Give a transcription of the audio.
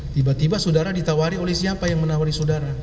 tiba tiba saudara ditawari oleh siapa yang menawari saudara